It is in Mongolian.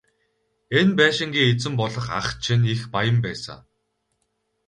Энэ байшингийн эзэн болох ах чинь их баян байсан.